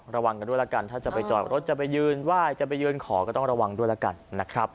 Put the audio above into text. ระวังกันด้วยละกันถ้าจะไปจอดรถจะไปยืนไหว้จะไปยืนขอก็ต้องระวังด้วยแล้วกันนะครับ